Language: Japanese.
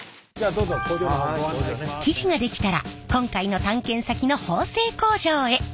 生地ができたら今回の探検先の縫製工場へ。